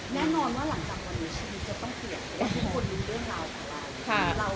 แน่นอนว่าหลังจากวันนี้ชีวิตจะต้องเปลี่ยนให้ทุกคนรู้เรื่องราวของเรา